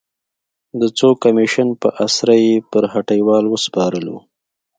د څو کمېشن په اسره یې پر هټیوال وسپارلو.